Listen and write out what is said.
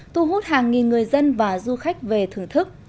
thu hút hàng nghìn người dân và du khách về thưởng thức